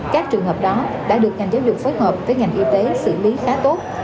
các trường hợp đó đã được ngành giáo dục phối hợp với ngành y tế xử lý khá tốt